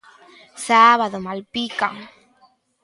Sábado, Malpica.